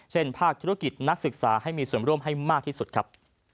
ภาคธุรกิจนักศึกษาให้มีส่วนร่วมให้มากที่สุดครับ